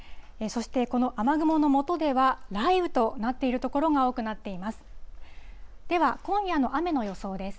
そして、この雨雲のもとでは雷雨となっている所が多くなっています。